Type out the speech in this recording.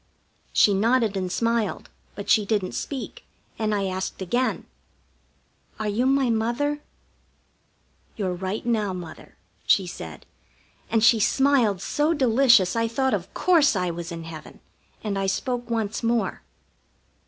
She nodded and smiled, but she didn't speak, and I asked again: "Are you my Mother?" "Your right now Mother," she said, and she smiled so delicious I thought of course I was in heaven, and I spoke once more.